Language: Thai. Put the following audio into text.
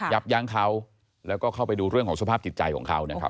ยับยั้งเขาแล้วก็เข้าไปดูเรื่องของสภาพจิตใจของเขานะครับ